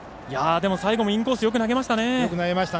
でも、最後もインコースよく投げましたね。